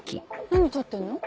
何撮ってんの？